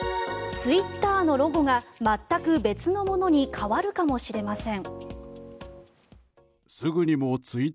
ツイッターのロゴが全く別のものに変わるかもしれません。